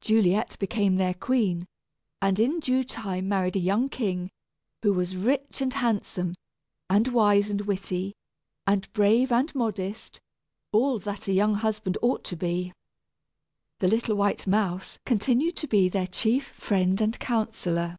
Juliet became their queen, and in due time married a young king, who was rich and handsome, and wise and witty, and brave and modest all that a young husband ought to be. The little white mouse continued to be their chief friend and counsellor.